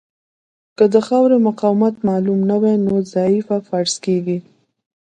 که د خاورې مقاومت معلوم نه وي نو ضعیفه فرض کیږي